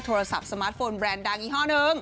โทรศัพท์สมาร์ทโฟนแบรนด์ดังยี่ห้อนึง